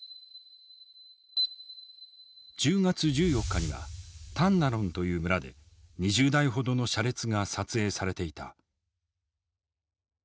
１０月１４日にはタンナロンという村で２０台ほどの車列が撮影されていた。